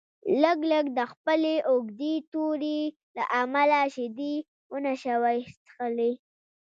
لګلګ د خپلې اوږدې تورې له امله شیدې ونشوای څښلی.